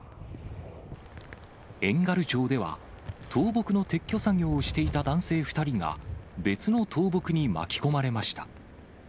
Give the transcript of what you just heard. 遠軽町では、倒木の撤去作業をしていた男性２人が別の倒木に巻き込まれました。